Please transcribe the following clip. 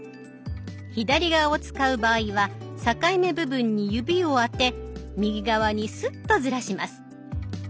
左側を使う場合は境目部分に指をあて右側にスッとずらします。